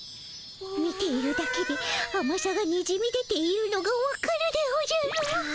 見ているだけであまさがにじみ出ているのがわかるでおじゃる。